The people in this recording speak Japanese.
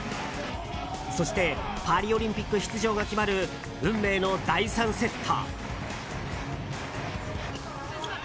そしてパリオリンピック出場が決まる運命の第３セット。